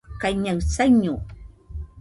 kaiñaɨ saiño